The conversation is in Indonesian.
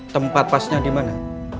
tempat pasnya di mana